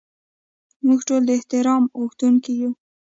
موږ ټول د احترام غوښتونکي یو.